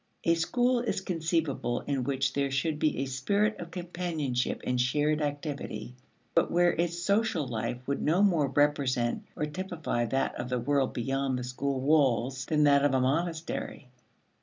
A school is conceivable in which there should be a spirit of companionship and shared activity, but where its social life would no more represent or typify that of the world beyond the school walls than that of a monastery.